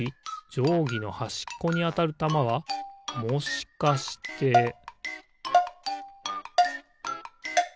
じょうぎのはしっこにあたるたまはもしかしてピッ！